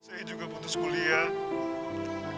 saya juga putus kuliah